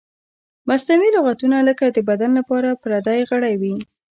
مصنوعي لغتونه لکه د بدن لپاره پردی غړی وي.